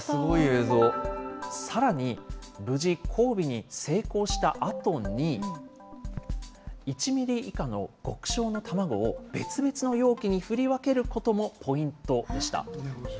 さらに、無事交尾に成功したあとに、１ミリ以下の極小の卵を別々の容器に振り分けることもポイントでした。